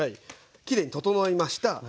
きれいに整いました。